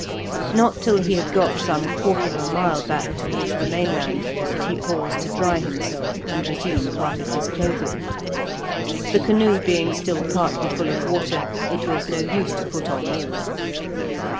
Not till he had got some quarter of a mile back towards the mainland did he pause to dry himself and resume part of his clothing; the canoe being still partly full of water, it was no use to put on all.